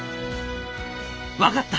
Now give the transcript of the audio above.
「分かった。